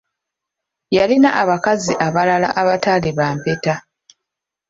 Yalina abakazi abalala abataali ba mpeta!